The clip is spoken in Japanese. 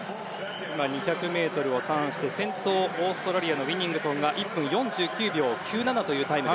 ２００ｍをターンして先頭、オーストラリアのウィニングトンが１分４９秒９７というタイム。